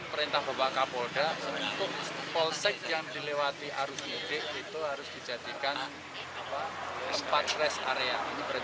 perintah bapak kapolga pos polsek yang dilewati arus mudik itu harus dijadikan tempat res area